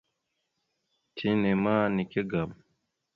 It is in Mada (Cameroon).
Tina ma nike agam.